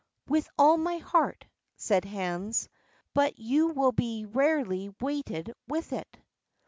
"With all my heart," said Hans; "but you will be rarely weighted with it."